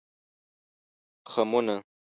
خمونه